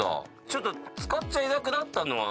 ちょっと塚ちゃんいなくなったのは。